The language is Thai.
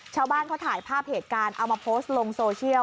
ชาวบ้านเขาถ่ายภาพเหตุการณ์เอามาโพสต์ลงโซเชียล